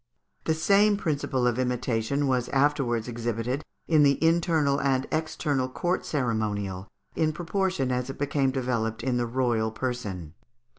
The same principle of imitation was afterwards exhibited in the internal and external court ceremonial, in proportion as it became developed in the royal person.